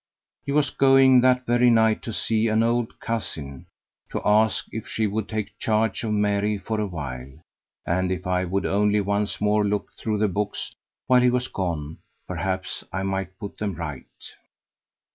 He was going that very night to see an old cousin, to ask if she would take charge of Mary for a while; and if I would only once more look through the books while he was gone, perhaps I might put them right.